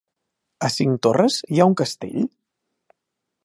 A Cinctorres hi ha un castell?